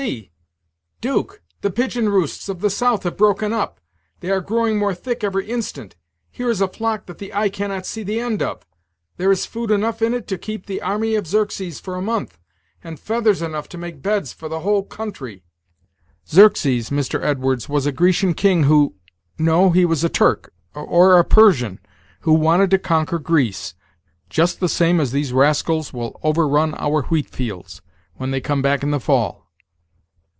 see, 'Duke, the pigeon roosts of the south have broken up! They are growing more thick every instant, Here is a flock that the eye cannot see the end of. There is food enough in it to keep the army of Xerxes for a month, and feathers enough to make beds for the whole country. Xerxes, Mr. Edwards, was a Grecian king, who no, he was a Turk, or a Persian, who wanted to conquer Greece, just the same as these rascals will overrun our wheat fields, when they come back in the fall.